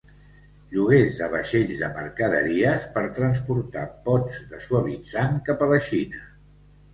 Lloguers de vaixells de mercaderies per transportar pots de suavitzant cap a la Xina.